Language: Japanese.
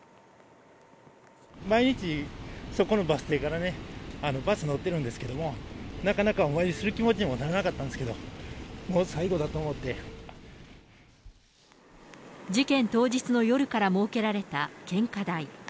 毎日、そこのバス停からね、バス乗ってるんですけれども、なかなかお参りする気持ちにもならなかったんですけど、もう最後事件当日の夜から設けられた献花台。